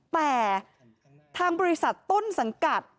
แต่ทางบริษัทต้นสังกัด